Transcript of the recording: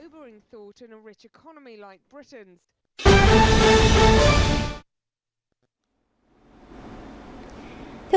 báo cáo chỉ ra